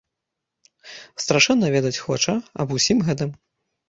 Страшэнна ведаць хоча, аб усім гэтым.